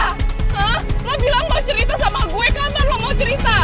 hah lo bilang mau cerita sama gue kapan mau cerita